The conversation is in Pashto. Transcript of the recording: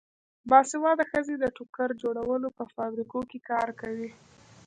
باسواده ښځې د ټوکر جوړولو په فابریکو کې کار کوي.